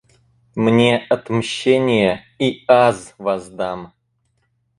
Мне отмщение, и Аз воздам.